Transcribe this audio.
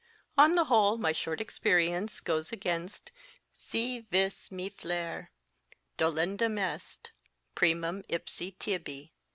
On the whole, my short experience goes against si vis me flere^ dolendum est Primum ipsi tibi.